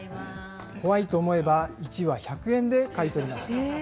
怖いと思えば、１話１００円で買い取ります。